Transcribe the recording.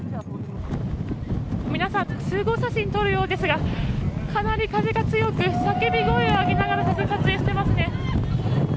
皆さん集合写真を撮るようですがかなり風が強く叫び声を上げながら写真撮影をしていますね。